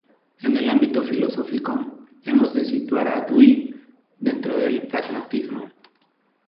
En el ámbito filosófico, hemos de situar a Dewey dentro del pragmatismo.